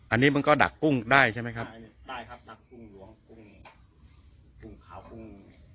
อันนี้มันก็ดักกุ้งได้ใช่ไหมครับได้ครับดักกุ้งหลวงกุ้ง